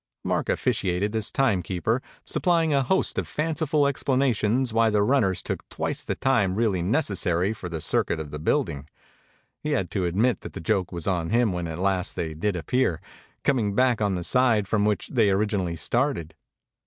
Mark officiated as timekeeper, sup plying a host of fanciful explanations why the runners took twice the time really necessary for the circuit of the building. He had to admit that the joke was on him when at last they did appear coming back on the side from which they originally started.